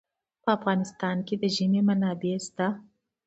په افغانستان کې د ژمی منابع شته.